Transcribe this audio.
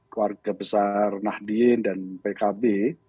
keluarga besar nahdien dan pkb